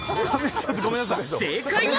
正解は。